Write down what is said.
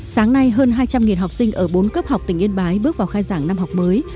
sáng nay hơn hai trăm linh học sinh ở bốn cấp học tỉnh yên bái bước vào khai giảng năm học mới